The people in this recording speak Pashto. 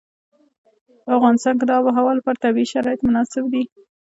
په افغانستان کې د آب وهوا لپاره طبیعي شرایط مناسب دي.